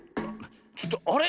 ちょっとあれ？